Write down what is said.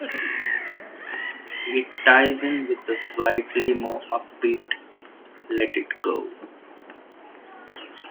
It ties in with the slightly more upbeat "Letitgo".